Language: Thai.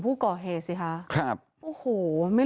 พระคุณที่อยู่ในห้องการรับผู้หญิง